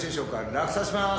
落札します。